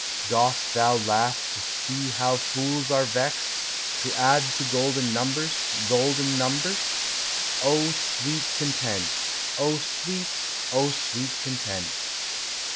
Dost thou laugh to see how fools are vexed To add to golden numbers, golden numbers? O sweet content! O sweet, O sweet content!